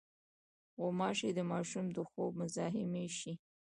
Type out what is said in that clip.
غوماشې د ماشوم د خوب مزاحمې شي.